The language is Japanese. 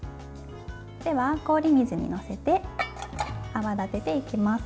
では、氷水に載せて泡立てていきます。